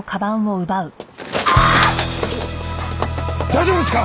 大丈夫ですか？